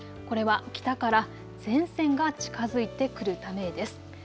これは北から前線が近づいてくるためです。